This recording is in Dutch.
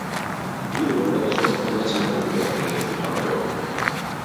Hierdoor kan de zorg voor mensen met een beperking in het gedrang komen.